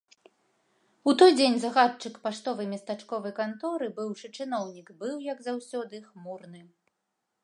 У той дзень загадчык паштовай местачковай канторы, быўшы чыноўнік, быў, як заўсёды, хмурны.